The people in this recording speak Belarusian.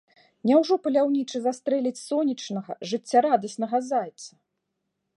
Няўжо паляўнічы застрэліць сонечнага, жыццярадаснага зайца?